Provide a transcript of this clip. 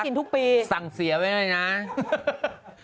น้องตั๊กสั่งเสียให้ให้ไหนนะ